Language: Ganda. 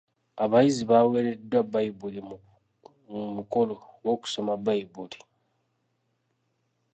Abayizi baaweereddwa Bbayibuli mu mukolo gw'okusoma Bbayibuli.